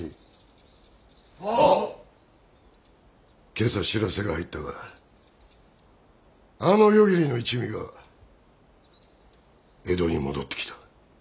今朝知らせが入ったがあの夜霧ノ一味が江戸に戻ってきた。